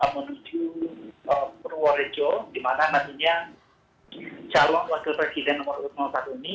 menuju purworejo di mana nantinya calon wakil presiden nomor dua ratus lima puluh satu ini